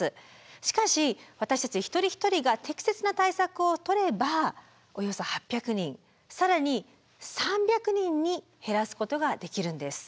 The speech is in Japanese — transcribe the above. しかし私たち一人一人が適切な対策を取ればおよそ８００人更に３００人に減らすことができるんです。